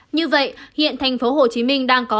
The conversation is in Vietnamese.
như vậy hiện thành phố hồ chí minh đang có bảy mươi một